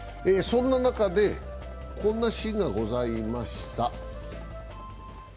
そんな中でこんなシーンがございました。